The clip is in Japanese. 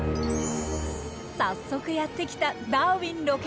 早速やって来たダーウィンロケ隊。